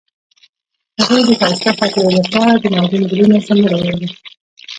هغې د ښایسته خاطرو لپاره د موزون ګلونه سندره ویله.